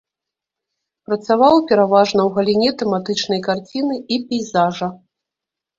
Працаваў пераважна ў галіне тэматычнай карціны і пейзажа.